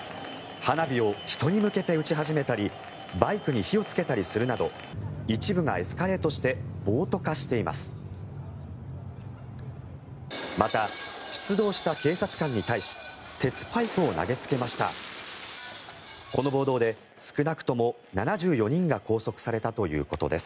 花火を人に向けて撃ち始めたりバイクに火をつけたりするなど一部がエスカレートして暴徒化しています。